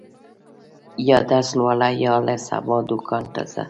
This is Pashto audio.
یا درس لوله، یا له سبا دوکان ته ځه.